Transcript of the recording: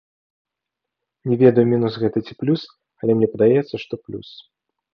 Не ведаю, мінус гэта ці плюс, але мне падаецца, што плюс.